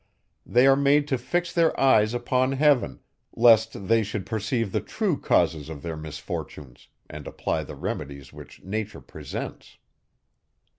They are made to fix their eyes upon heaven, lest they should perceive the true causes of their misfortunes, and apply the remedies which nature presents.